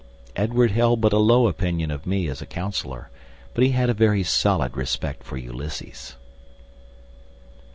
Edward held but a low opinion of me as a counsellor; but he had a very solid respect for Ulysses.